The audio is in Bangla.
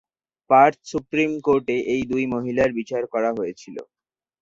পার্থ সুপ্রিম কোর্টে এই দুই মহিলার বিচার করা হয়েছিল।